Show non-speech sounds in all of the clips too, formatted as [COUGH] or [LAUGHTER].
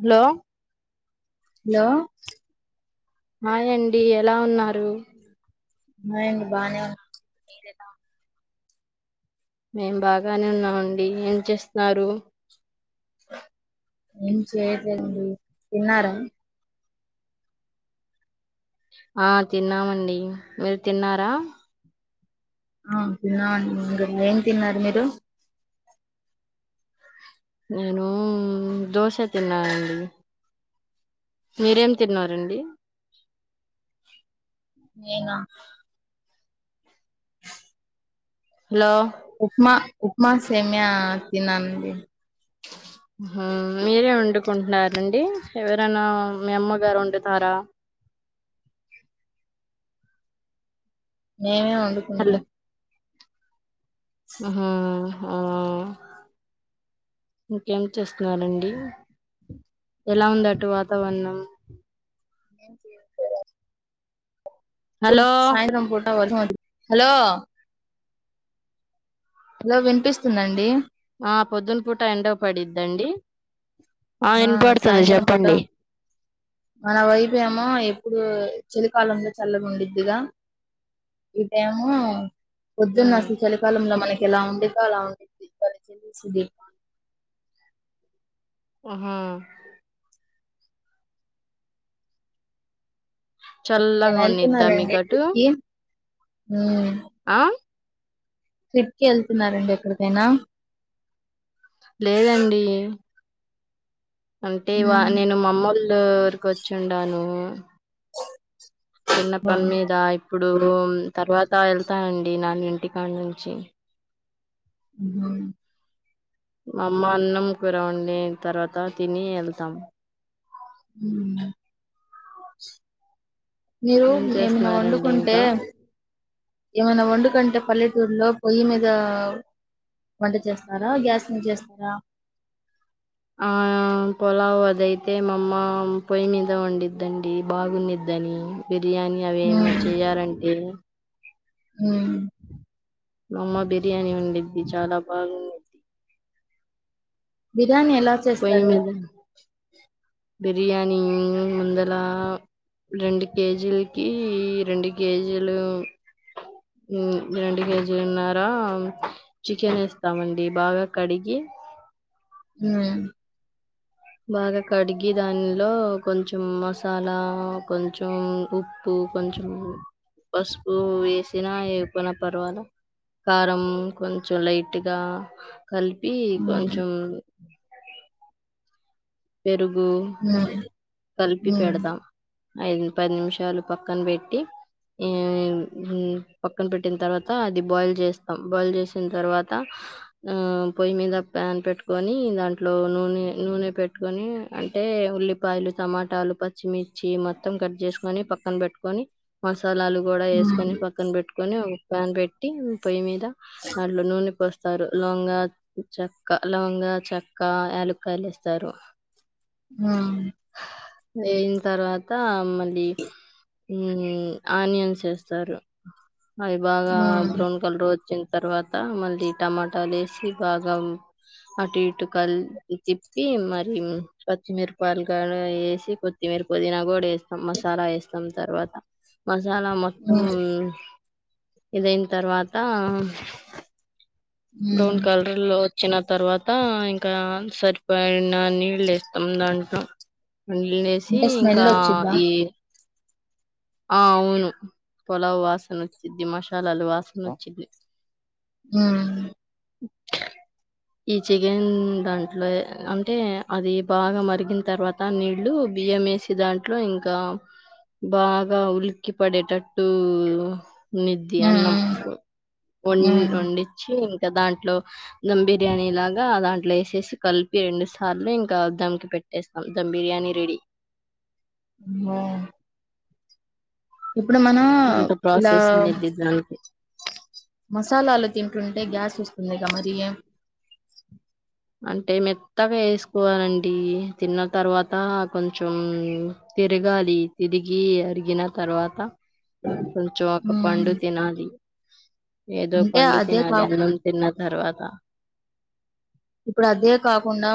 Hello hello హాయండి ఎలా ఉన్నారు మేం బానే వున్నాం మీరెలా వున్నారు మేం బాగానే ఉన్నామండి ఏం చేస్తున్నారు ఏం చేయట్లేదు తిన్నారా ఆ తిన్నామండి మీరు తిన్నారా ఆ తిన్నామండి ఇంక ఏం తిన్నారు మీరు నేను మ్ దోశ తిన్నానండి మీరేం తిన్నారండి నేనా హలో ఉప్మా ఉప్మా సేమ్య తిన్నానండి ఆహా మీరే వండుకుంటున్నారండి ఎవరన్న మీ అమ్మగారు వండుతార నేనే వండుకుంట హ్మ్మ్ మ్మ్ ఆ ఇంకేం చేస్తున్నారండి ఎలా ఉండదటు వాతావరణం ఏం చేయ హలో సాయత్రం పూ ఎవర్నో అడుగు హలో వినిపిస్తుందండి ఆ పొద్దున పూట ఎండ పడిద్దండి ఆ వినపడుతుంది సాయంత్రం పూట చెప్పండి మన వైపు ఏమో ఎప్పుడు చలికాలంలో చల్ల ఉండిద్దుగా ఈటు ఏమో పొద్దున్న అసలు చలికాలంలో మనకి ఎలా వండితే అలా ఉండిద్ది [INAUDIBLE] హ్మ్మ్ ఎక్కడికైనా చల్లగా ఉన్నిద్దా మీకటు హ్మ్మ్ ఆ ట్రిప్ కి వెళ్తున్నారండి ఎక్కడికైనా లేదండి అంటే వా హ్మ్ నేను మామ్మలో ఉరికి ఓచ్చిండాను చిన్న పని మీద ఇప్పుడు ఇప్పుడు తర్వాత వెళ్తానండి నన్న ఇంటికాడి నుంచి హ్మ్మ్ మా అమ్మ అన్నం కూర వండిం తర్వాత తిని ఎళ్తాం మీరు ఏం ఏమైనా చేస్తున్నారండి వండుకుంటే ఇంకా ఏమైనా వండుకంటే పల్లె త్తూర్లో పొయ్యి మీద వంట చేస్తారా గ్యాస్ మీద చేస్తారా ఆ పొలావు అద అయితే మా అమ్మ పొయ్యి మీదే వండిద్దండి బాగునీద్దని బిర్యానీ అవి ఏమనా చేయాలంటే హ్మ్మ్ మా అమ్మ బిర్యానీ ఒండుద్దీ చాలా బాగుండేనిద్ది బిర్యానీ ఎలా పొయ్యి చేస్తారు మీద బిర్యానీ ముందల రెండు కేజీకి రెండు కేజీలు మ్మ్ రెండు కేజీలున్నార చికెన్ ఏస్తామండి బాగా కడిగి హ్మ్మ్ బాగా కడిగి దానిలో కొంచెం మసాలా కొంచెం ఉప్పు కొంచెం పసుపు వేసినా ఎయకపోయిన పర్వాల కారం కొంచెం లైట్గా కలిపి హ్మ్ కొంచెం పెరుగు గు హ్మ్ కలిపి హ్మ్ పెడదాం ఐదు పది నిమిషాలు పక్కన పెట్టి, మ్మ్ పక్కన పెట్టిన తర్వాత అది బాయిల్ చేస్తాం, బాయిల్ చేసిన తర్వాత ఆ పొయ్యి మీద ప్యాన్ పెట్టుకొని దాంట్లో నూనె నూనె పెట్ కొని అంటే ఉల్లిపాయలు, టమాటాలు, పచ్చిమిర్చి, మొత్తం కట్ చేసుకొని పక్కన పెట్టుకొని మ సాలాలు కూడా హ్మ్ వేసుకొని పక్కన పెట్టుకొని ప్యాన్ పెట్టి పొయ్యి మీ ద దాంట్లో నూనె పోస్ స్తారు లోంగ, చెక్క, లవంగ, చెక్క, యాలుక్కాయలు ఇస్తారు మా అయిన తర్వాత అదీ ఈ ఆనియన్స్ వేస్తారు అవి బాగా హ్మ్ బ్రౌన్ కలర్ వచ్చిన తర్వాత మళ్ళీ టమాటాలు వేసి, బాగా అటు ఇటు కల్ తిప్పీ మ కొత్తిమిరపలు కాడ వేసి కొత్తిమీర, పుదీనా కూడా వేస్తాం మసాలా వేస్తాం. తర్వాత మ సలా మొత్తం హ్మ్ ఇదైన తర్వాత బ్రౌన్ హ్మ్ కలర్ లో వచ్చిన తర్వాత ఇంకా సరిపోయిన నీళ్లు ఏస్తాం దాంట్లో నీళ్ళేసి అంటే స్మెల్ ఇంకా వచ్చిద్దా ఈ ఆ అవును పొలావు వాసన వచ్చిద్ది, మశాలాలు వాసన వచ్చిద్ది. హ్మ్ ఈ చికెన్ దాంట్లో అంటే అది బాగా మరిగిన తర్వాత నీళ్ళు, బియ్యం వేసి దాంట్లో ఇంకా బా గ ఉల్కిపడేటట్టు నిద్ది అన్నం హ్మ్ వం హ్మ్ వండించీ దాంట్లో ధమ్ బిర్యానీ లాగా దాంట్లో ఏసేసి కలిపి, రెండు సార్లు ఇంకా దమ్కి పెట్టేస్తాం ధమ్ బిర్యానీ రెడీ. అమ్మో ఇప్పుడు మనం అంత ఇలా ప్రాసెస్ ఉండిద్ది దానికి మసాలాలు తింటుంటే గ్యాస్ వస్తుంది గా మరియే అంటే మెత్తగా వేసుకోవాలండి. తిన్న తర్వాత కొంచెం తిరగాలి, తిరిగి అరిగిన తర్వాత కొంచం ఒక మ్మ్ పండు తినాలి ఏదో అంటే పండు అదే కా తినాలి అన్నం తిన్న తర్వాత ఇప్పుడు అదే కాకుండా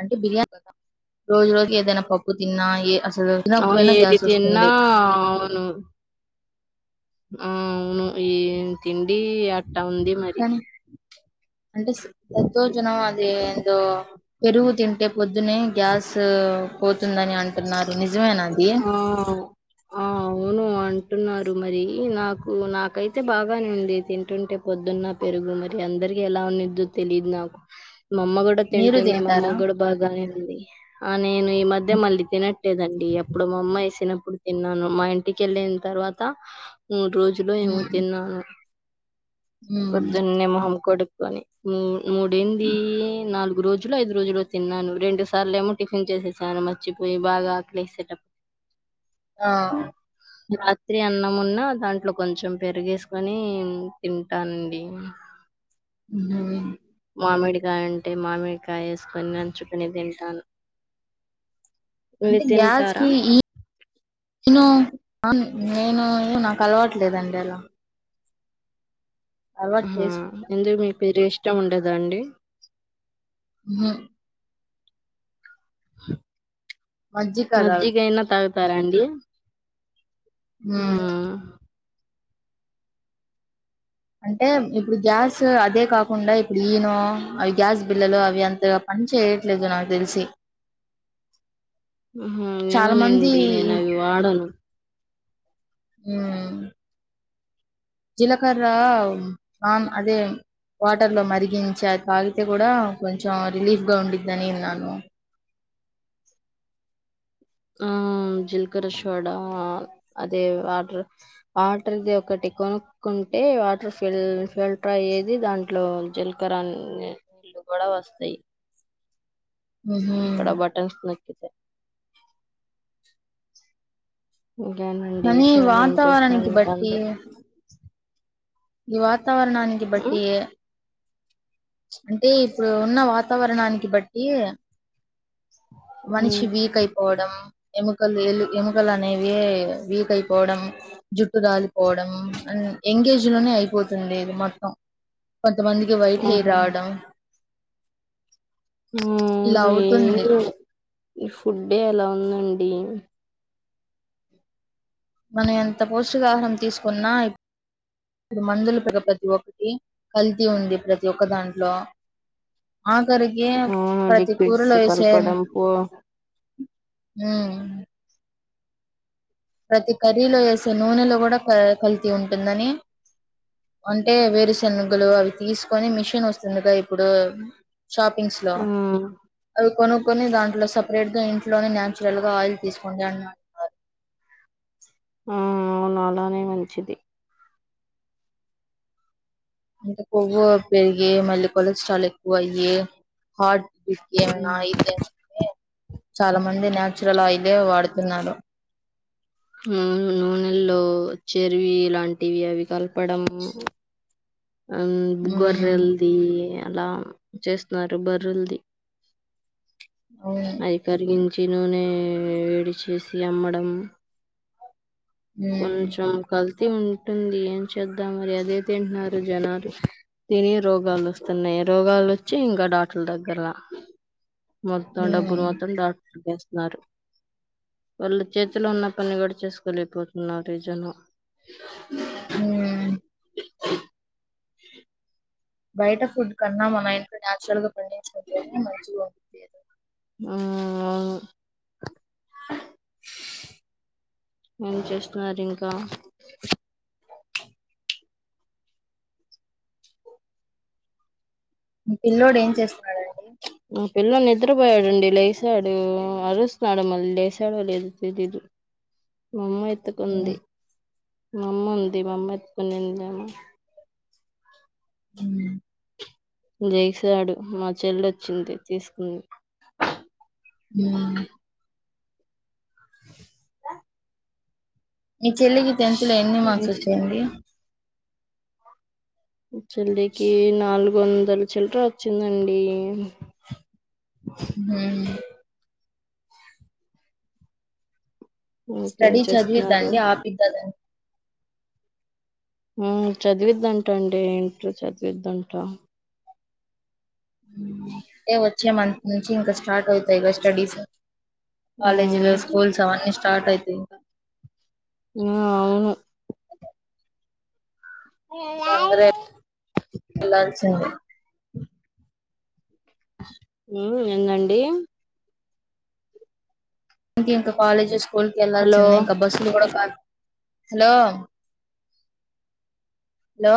అంటే బిర్యానీ కదా, రోజు రోజు ఏదైనా పప్పు తిన్నా ఏ అస్ అవును ఏది తిన్నా అవును ఆ అవును ఈ తిండి అట్టా ఉంది మరి కనీ అంటే దద్దోజనం అది ఏందో పెరుగు తింటే పొ ద్దునే గ్యాస్ పో ఉంటుందని అంటున్నారు నిజమేనా అది ఎం ఆ ఆ అవును అంటున్నారు మరి నాకు నాకైతే బాగానే ఉంది తింటుంటే పొద్దున్న పెరుగు మరి అందరికి ఎలా ఉనిద్దో తెలిదు నాకు మా అమ్మ కూడా మీరు తింటుంది మా అమ్మ తింటారా కూడా బాగానే ఉంది ఆ నేను ఈ మధ్య మళ్ళీ తినట్ లేదండి ఎప్పుడు మా అమ్మేసినప్పుడు తిన్నాను మా ఇంటి కెళ్ళిన్ తర్వాత మూడు రోజులో ఏమో మ్మ్ తిన్నాను మ్మ్ పొద్దున్నే మొహం కొడుక్ వని నీ మూడ్ ఎంది నాలుగు మూ రోజులు ఐదు రోజులు తిన్నాను రెండు సార్లు ఏమో టిఫిన్ చేసేసాను మర్చిపోయి బాగా ఆకలేసేటప్ ఆ రాత్రి అన్నంమున్న దాంట్లో కొంచెం పెరిగేసుకొని తింటానండి ఉన్నాయా మామిడికాయ అంటే మామిడికాయ వేసుకొని నంచుకుని తింటాను మీరు అంటే గ్యాస్ తింటారా? కి ఈ ఈనో ఆ నేను నాకు అలవట్లేదండి అలా అలవాటు ఆహా చేసుకుంటా ఇంగేమి పేరే ఇష్టం ఉండదా అండి ఉమ్మ్మ్ మజ్జిగ కాదా మజ్జిగయినా తాగ్ కాదండి ఉమ్ మ్మ్ అంటే ఇప్పుడు గ్యాస్ అదే కాకుండా ఇప్పుడు ఈనో అవి గ్యాస్ బిల్లలు అవి అంతగా పని చేయట్లేదు నాకు తెలిసి మ్మ్ చాలా ఏమోనండి నేను అవి వాడను హ్మ్ జీలకర్ర నాన్ అదే వాటర్ లో మరిగించి తాగితే కూడా కొంచెం రిలీఫ్గా వుండిద్దని విన్నాను ఆ జీలకర్ర శోడా అదే వాటర్ వాటర్ది ఒకటి కొనుక్కుంటే వాటర్ ఫిల్ ఫిల్టర్ అయ్యేది దాంట్లో జీలకర నీళ్ళు కూడా వస్తాయి ఉహు ఇక్కడ బటన్స్ నొక్కి ఇంకాేనండి కానీ విషన్ ఏం చేస్తున్నాడు వాతావరణానికి ఇంకా ఉండి ఇవాత్ వాతావరణానికి బట్టి అంటే ఇప్పుడు ఉన్న వాతావరణానికి బట్టి మనిషి వీక్ అయిపోవడం ఎముకల్ దీల్లు ఎముకలనేవి వీకైపోవడం జుట్ జుట్టు రాలి పోవడం అండ్ ఎంగేజ్ [INAUDIBLE] లోనే అయిపోతుందిది మొత్తం కొ ఎంత మందికి వైట్ హెయిర్రావడం మ్ అవుతుంది ఏవి ఈ ఫుడ్డే అలా ఉందండి మనం ఎంత పౌష్టికాహారం తీసుకున్నా [INAUDIBLE] మందులు కదా ప్రతి ఒక్కటి కల్తీ ఉంది ప్రతి ఒక్క దాంట్లో ఆఖరికి ఆ లిక్విడ్స్ ప్రతికూరలో ఎసే కలపడం పో ఆ మ్ ప్రతి కర్రీలో ఏసే నూనెలో కూడా క కల్తి ఉంటుందని అంటే వేరుశెనుగులు అవి తీసుకొని మిషన్ వస్తుందిగా ఇప్పుడు షాపింగ్స్ లో అవి కొనుక్కొని దాంట్లో సపరేట్ గ ఇంట్లోనే నేచరల్ గా ఆయిల్ తీసుకోండి అ అన్నారు ఆ అవును అలానే మంచిది ఇంక కొవ్వు పెరిగి మళ్ళీ కొలెస్ట్రాల్ ఎక్కువయ్యి హార్ట్ బీట్ ఏమనా అయితేేే చాలా మంది న్యాచురల్ ఆయిలే వాడుతున్నారు మ్ నూనెల్లో చెరివి ఇలాంటివి అవి క పడము అం ఉమ్ గొర్రెల్దీ అలా చేస్తున్నారు బర్రెలది అవును అయి కరిగిం చి నూనె వేడి చేసి అమ్మడం ఉమ్ కొంచెం కల్ తి ఉంటుంది ఏం చేద్దాం మరి అదే తింటున్నారు జనాలు తిని రోగాలు వస్తున్నాయి రోగాలొచ్చి ఇంకా డాక్టర్ల దగ్గరలా మొత్తం ఉమ్ డబ్బులు మొత్తం [INAUDIBLE] నారు వాళ్ళు చేతిలో ఉన్న పని కూడా చేసుకోలేకపో న్నారీ జన మ్ బయట ఫుడ్ కన్నా మనం ఇంట్లో నేచరల్ గా పండించుకుంటేనే మంచిగా ఉంటుంది అవును ఏం చేస్తున్నారింకా మీ పిల్ల్లోడు ఏం చేస్తున్నాడం మా పిల్లలు నిద్రపోయాడండి లేసాడు అరుస్తున్నాడు మళ్ళీ లేసాడో లేదో తెలీదు మామ్మ ఉమ్ ఎత్తుకుంది మామ్మ ఉంది మామ్మ ఎతుకనీందేమొ మ్ జైసాడు మా చెల్ల వచ్చింది తీసుకుంది మ్ ఆ మీ చెల్లికి టెన్త్ లో ఎన్ని మార్క్స్ వచ్చాయండి చెల్లికి నాలుగు వందల చిల్లర వచ్చిందండి హుమ్ ఇంకేం స్టడీ చదివి చేస్తున్నారు దాండి ఆపిద్ద ఆ చదివిద్దంటా అండి ఏంటో చదివిద్దంటా అంటే వచ్చే మంత్ నుంచి ఇంకా స్టార్ట్ అవుతాయి స్టడీస్ కాలేజు లు ఉమ్ స్కూల్స్ అవన్ని స్టార్ట్ అయితే ఇంకా ఆ అవును తందరే వెళ్లాల్సింది మ్ ఏందండి ఇకా ఇంకా కాలేజెస్ స్కూల్ కి హలో వెళ్ళల్సిందే ఇంకా బస్సులు కూడా కా హలో హలో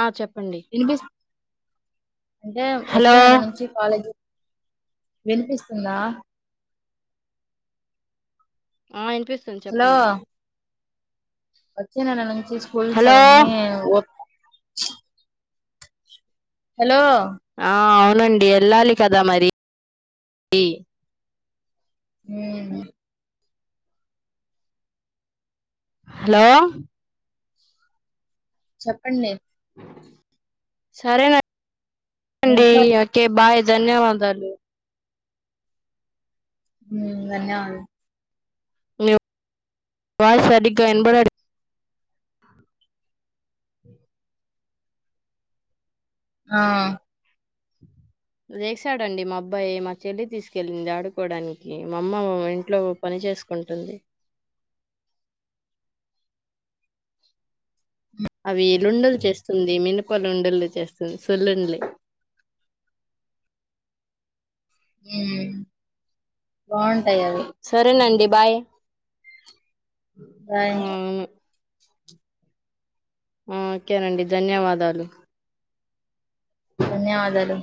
ఆ చెప్ప ఇనిపిస్ అంటే వచ్చే హలో నెల నుంచి కాలేజీ వినిపిస్తుందా ఆ వినిపిస్తుంది హలో చెప్పండి ఇ నెల నుంచి హలో స్కూల్స్వన్నీ హలో ఆ అవునండి వెళ్ళాలి కదా మరి ఈ మ్ హలో చెప్పండి సరే మీ అండి ఇంట్లో ఓకే బాయ్ ధన్యవాదాలు ధన్యవాద వాయిస్ సరిగా వినపడట్ ఆ వేసాడండి మా అబ్బాయి మా చెల్లి తీసుకెళ్లింది ఆడుకోవడానికి మా అమ్మ ఇంట్లో పని చేేసుకుంటుంది. అవి లుండలు చేస్తుంది మినపలుండలు చేస్తుంది సొల్లుంలి మ్మ్ బాగున్ సరేనండి బాయ్ బాయ్ ఆ ఓకేనండి ధన్యవాదాలు ధన్యవాదాలు